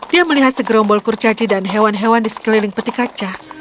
dia melihat segerombol kurcaci dan hewan hewan di sekeliling peti kaca